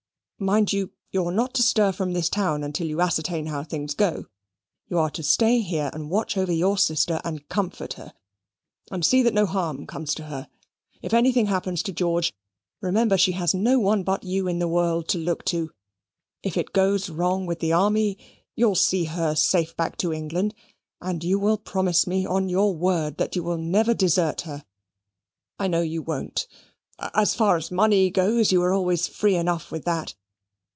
Mind you, you are not to stir from this town until you ascertain how things go. You are to stay here and watch over your sister, and comfort her, and see that no harm comes to her. If anything happens to George, remember she has no one but you in the world to look to. If it goes wrong with the army, you'll see her safe back to England; and you will promise me on your word that you will never desert her. I know you won't: as far as money goes, you were always free enough with that.